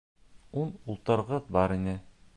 Ун ултырғыс бар ине!